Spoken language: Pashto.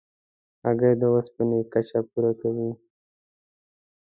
هګۍ د اوسپنې کچه پوره کوي.